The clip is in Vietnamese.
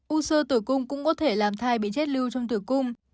u sơ tử cung cũng có thể làm thai bị chết lưu trong tử cung